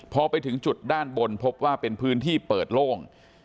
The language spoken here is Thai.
พอไปถึงจุดด้านบนพบว่าเป็นพื้นที่เปิดโล่ง